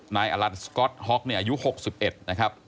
นายอลันท์สก๊อตฮ็อกอายุ๖๑นะครับ